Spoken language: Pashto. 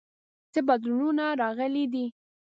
څه بدلونونه راغلي دي؟